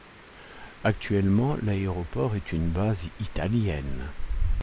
Actuellement l’aéroport est une base italienne.